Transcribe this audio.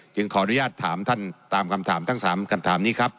ขออนุญาตถามท่านตามคำถามทั้ง๓คำถามนี้ครับ